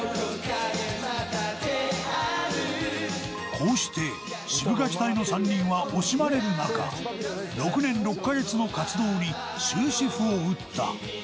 こうしてシブがき隊の３人は惜しまれる中６年６カ月の活動に終止符を打った。